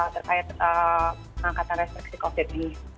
terkait angkatan restriksi covid sembilan belas